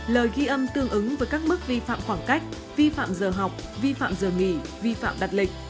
lời ghi âm tương ứng với các mức vi phạm khoảng cách vi phạm giờ học vi phạm giờ nghỉ vi phạm đặt lịch